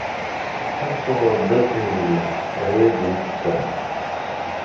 Ad suɣeɣ ddaw tmedlin, ah ya ddin qessam!